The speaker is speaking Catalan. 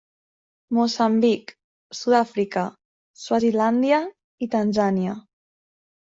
Moçambic, Sud-àfrica, Swazilàndia i Tanzània.